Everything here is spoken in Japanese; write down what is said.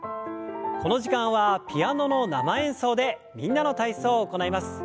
この時間はピアノの生演奏で「みんなの体操」を行います。